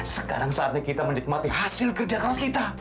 sekarang saatnya kita menikmati hasil kerja keras kita